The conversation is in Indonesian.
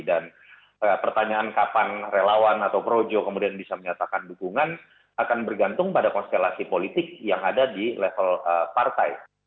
dan pertanyaan kapan relawan atau projo kemudian bisa menyatakan dukungan akan bergantung pada konstelasi politik yang ada di level partai